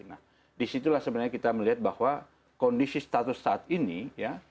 nah disitulah sebenarnya kita melihat bahwa kondisi status saat ini ya